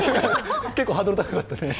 結構ハードル高かったね。